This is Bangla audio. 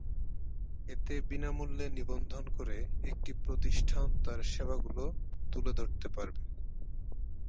এতে বিনা মূল্যে নিবন্ধন করে একটি প্রতিষ্ঠান তার সেবাগুলো তুলে ধরতে পারবে।